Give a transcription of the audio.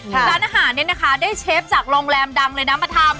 ร้านอาหารเนี่ยนะคะได้เชฟจากโรงแรมดังเลยนะมาทำ